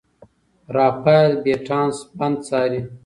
رافایل بیټانس بند څاري.